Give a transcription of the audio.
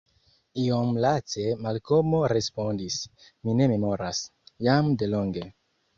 Iom lace Malkomo respondis: Mi ne memoras; jam de longe.